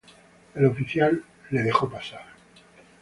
El Oficial le dejó pasar.